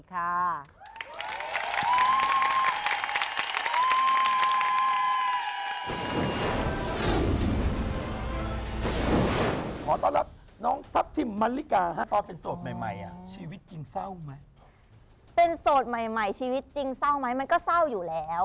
ขอบคุณแพทย์น้ำประพาค่ะ